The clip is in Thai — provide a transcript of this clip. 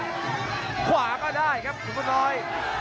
ต้องบอกว่าคนที่จะโชคกับคุณพลน้อยสภาพร่างกายมาต้องเกินร้อยครับ